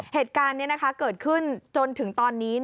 เหตุการณ์นี้เกิดขึ้นจนถึงตอนนี้